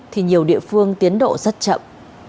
thì nhiều địa phương tiến độ rất chậm